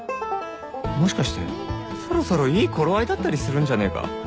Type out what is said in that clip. もしかしてそろそろいい頃合いだったりするんじゃねえか？